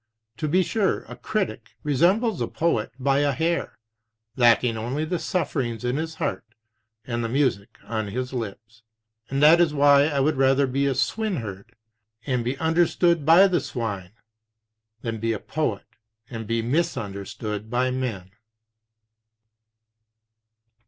To be sure, a critic resembles a poet by a hair, lacking only the sufferings in his heart and the music on his lips. And that is why I would rather be a swineherd, and be understood by the swine, than be a poet and be misunderstood by men."